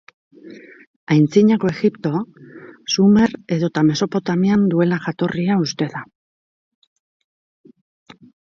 Aintzinako Egipto, Sumer edota Mesopotamian duela jatorria uste da.